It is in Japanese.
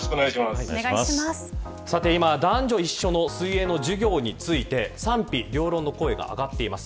さて今、男女一緒の水泳授業について賛否両論の声が上がっています。